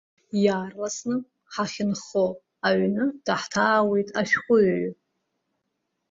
Иаарласны ҳахьынхо аҩны даҳҭаауеит ашәҟәыҩҩы!